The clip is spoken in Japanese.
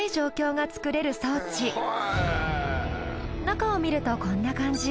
中を見るとこんな感じ。